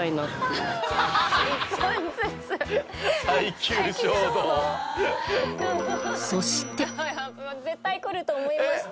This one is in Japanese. うわっ絶対くると思いました。